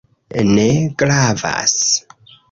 Ne gravas.